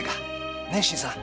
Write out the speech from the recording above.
ねえ新さん。